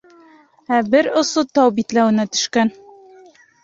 Ә бер осо тау битләүенә төшкән.